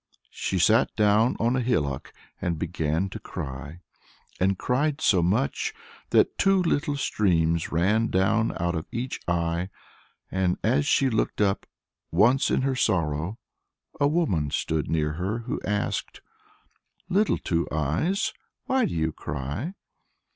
She sat down on a hillock and began to cry, and cried so much that two little streams ran down out of each eye. And as she looked up once in her sorrow, a woman stood near her, who asked, "Little Two Eyes, why do you cry?"